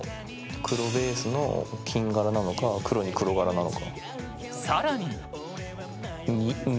黒ベースの金柄なのか黒に黒柄なのか。